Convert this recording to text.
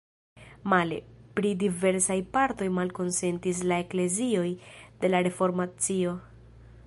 Male, pri diversaj partoj malkonsentis la eklezioj de la Reformacio.